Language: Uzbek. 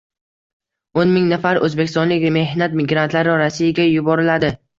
O‘n ming nafar o‘zbekistonlik mehnat migrantlari Rossiyaga yuborilading